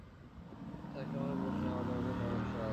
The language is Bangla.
তারেক রহমানের প্রশ্নে তাদের মধ্যে সমস্যা আছে।